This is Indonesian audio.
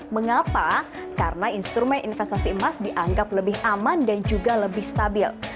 mengapa karena instrumen investasi emas dianggap lebih aman dan juga lebih stabil